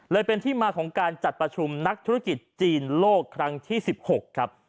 เลยเป็นที่มาของการจัดประชุมนักธุรกิจจีนโลกครั้งที่๑๖ครับ